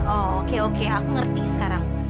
oh oke oke aku ngerti sekarang